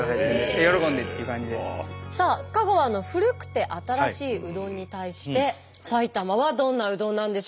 さあ香川の古くて新しいうどんに対して埼玉はどんなうどんなんでしょうか？